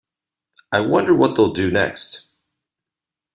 I wonder what they’ll do next!